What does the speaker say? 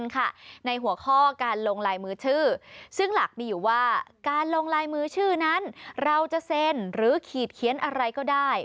การลงลายมือชื่อนั้นเราจะเซ็นท์หรือขีดเขียนอะไรก็ได้